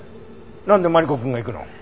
なんでマリコくんが行くの？